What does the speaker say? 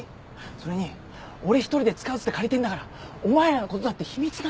それに俺１人で使うっつって借りてんだからお前らのことだって秘密なんだよ。